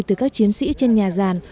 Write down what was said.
từ các chiến sĩ trên nhà giàn